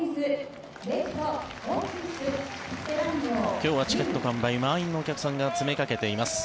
⁉今日はチケット完売満員のお客さんが詰めかけています。